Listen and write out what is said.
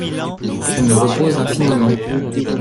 Je me repose infiniment.